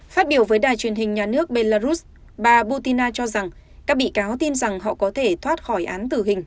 phát biểu với đài truyền hình nhà nước belarus bà butina cho rằng các bị cáo tin rằng họ có thể thoát khỏi án tử hình